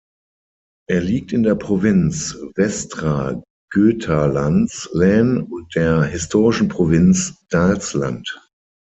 Er liegt in der Provinz Västra Götalands län und der historischen Provinz Dalsland.